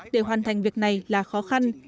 để hoàn thành việc này là khó khăn